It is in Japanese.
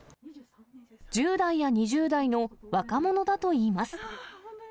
１０代や２０代の若者だといいます。